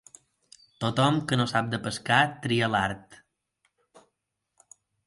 Tothom que no sap de pescar tira l'art.